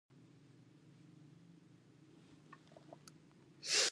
نو په پیل کې سمبولیکې مبارزې باید ډیرې شدیدې نه وي.